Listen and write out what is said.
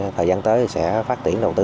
trong thời gian tới thì sẽ phát triển đầu tư